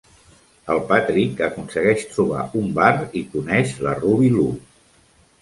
El Patrick aconsegueix trobar un bar i coneix la Ruby Lou.